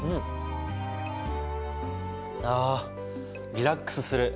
あリラックスする。